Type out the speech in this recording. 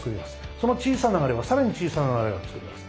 その小さな流れはさらに小さな流れを作ります。